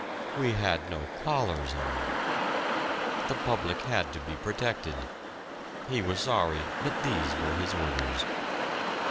We had no collars on! The public had to be protected he was sorry, but these were his orders.